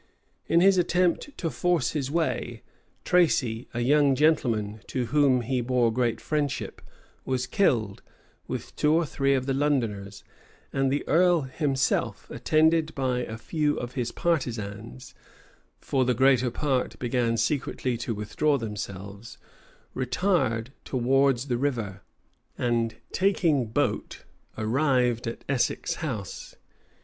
In his attempt to force his way, Tracy, a young gentleman to whom he bore great friendship, was killed, with two or three of the Londoners; and the earl himself, attended by a few of his partisans, (for the greater part began secretly to withdraw themselves,) retired towards the river, and taking boat, arrived at Essex House.